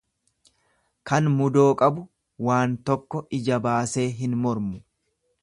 Kan mudoo qabu waan tokko ija baasee hin mormu.